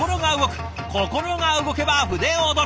心が動けば筆躍る。